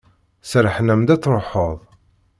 Serrḥen-am-d ad d-truḥeḍ.